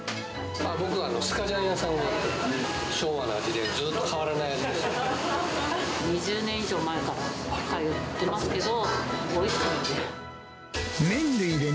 僕はスカジャン屋さんで、昭和の味で、２０年以上前から通ってますけど、おいしいんで。